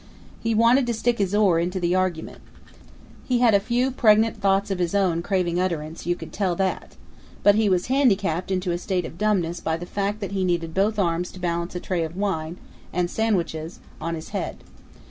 He wanted to stick his oar into the argument. He had a few pregnant thoughts of his own craving utterance, you could tell that. But he was handicapped into a state of dumbness by the fact that he needed both arms to balance a tray of wine and sandwiches on his head.